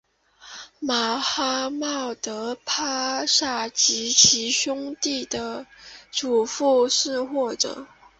马哈茂德帕夏及其兄弟的祖父是或者。